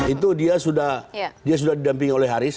itu dia sudah didampingi oleh haris